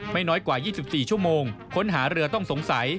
ไม่น้อยกว่า๒๔ชั่วโมงค้นหาเรือต้องสงสัย